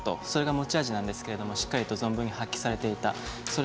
それが持ち味なんですけどもしっかりと存分に発揮されていた。